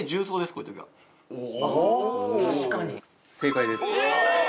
こういうときは・あ・確かに正解です・え！？